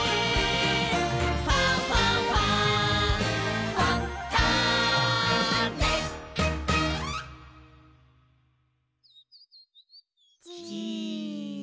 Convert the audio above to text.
「ファンファンファン」じ！